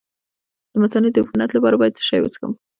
د مثانې د عفونت لپاره باید څه شی وڅښم؟